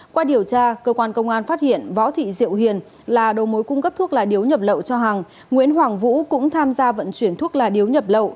đầu mối cung cấp thuốc lá điếu nhập lậu cho hằng nguyễn hoàng vũ cũng tham gia vận chuyển thuốc lá điếu nhập lậu